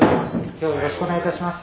今日はよろしくお願いいたします。